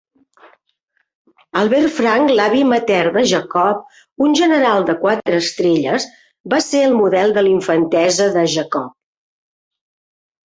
Albert Franck, l'avi matern de Jacob, un general de quatre estrelles, va ser el model de l'infantesa de Jacob.